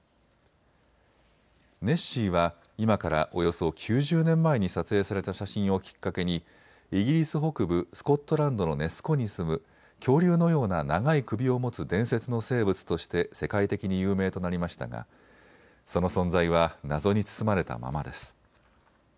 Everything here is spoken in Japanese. ネッシーは今からおよそ９０年前に撮影された写真をきっかけにイギリス北部スコットランドのネス湖に住む恐竜のような長い首を持つ伝説の生物として世界的に有名となりましたがその存在は謎に包まれたままです。